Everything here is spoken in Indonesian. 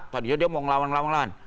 tadi dia mau ngelawan ngelawan